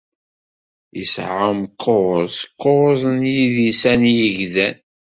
Yesɛa umkuẓ kuẓ n yidisan yegdan.